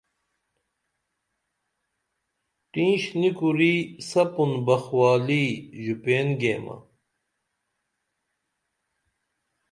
ٹینش نی کُری سپُن بخ والی ژوپین گیمہ